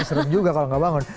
seru juga kalau nggak bangun